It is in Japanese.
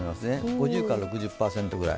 ５０６０％ぐらい。